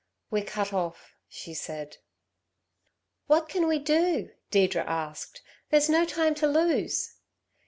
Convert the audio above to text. "We're cut off," she said. "What can we do?" Deirdre asked. "There's no time to lose."